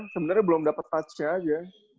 sebenernya belum dapet touchnya aja